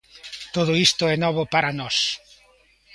Todo isto é novo para nós.